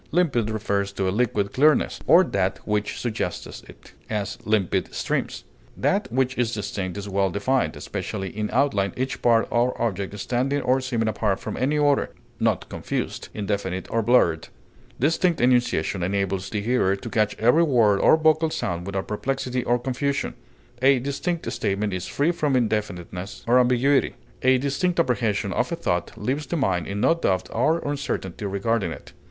Limpid refers to a liquid clearness, or that which suggests it; as, limpid streams. That which is distinct is well defined, especially in outline, each part or object standing or seeming apart from any other, not confused, indefinite, or blurred; distinct enunciation enables the hearer to catch every word or vocal sound without perplexity or confusion; a distinct statement is free from indefiniteness or ambiguity; a distinct apprehension of a thought leaves the mind in no doubt or uncertainty regarding it.